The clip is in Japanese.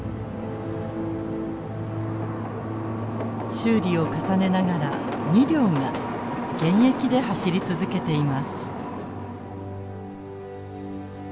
修理を重ねながら２両が現役で走り続けています。